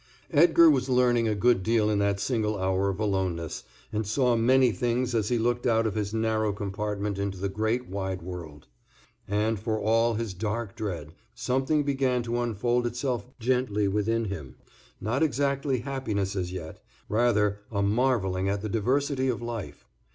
Edgar was learning a good deal in that single hour of aloneness and saw many things as he looked out of his narrow compartment into the great wide world. And for all his dark dread, something began to unfold itself gently within him, not exactly happiness as yet, rather a marvelling at the diversity of life.